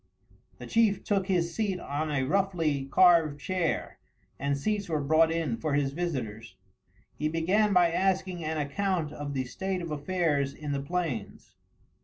The chief took his seat on a roughly carved chair, and seats were brought in for his visitors. He began by asking an account of the state of affairs in the plains.